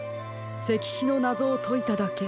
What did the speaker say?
せきひのなぞをといただけ。